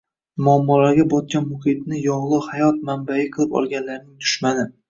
muammolarga botgan muhitni «yog‘li hayot» manbai qilib olganlarning dushmani